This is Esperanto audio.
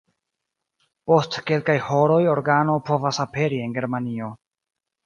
Post kelkaj horoj organo povas aperi en Germanio.